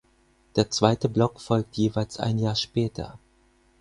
Der zweite Block folgt jeweils ein Jahr später.